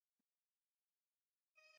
رسوب د افغانستان د فرهنګي فستیوالونو برخه ده.